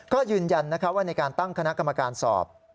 ก็ยืนยันว่าในการตั้งคณะกรรมการสอบ